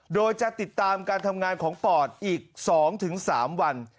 โดยจะติดตามการทำงานของปอดอีก๒๓วัน